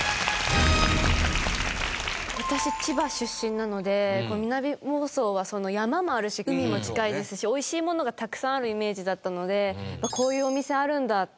私千葉出身なので南房総は山もあるし海も近いですし美味しいものがたくさんあるイメージだったのでこういうお店あるんだって。